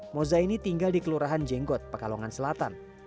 moza ini tinggal di kelurahan jenggot pekalongan selatan